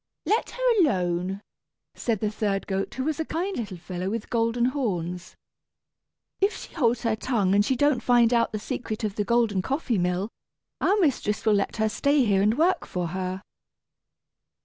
"Let her alone," said the third goat, who was a kind little fellow with golden horns. "If she holds her tongue, and if she don't find out the secret of the golden coffee mill, our mistress will let her stay here and work for her."